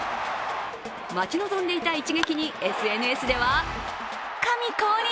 待ち望んでいた一撃にＳＮＳでは「神降臨！」